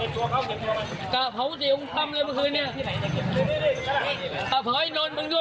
เอ๊ะมึงเตรียมตัวไหวกูหลวดมาทำไหนเพิ่งล้วน